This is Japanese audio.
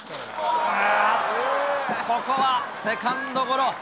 ここはセカンドゴロ。